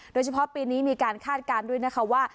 โดยเฉพาะปีนี้มีการคาดการณ์ด้วยนะคะว่า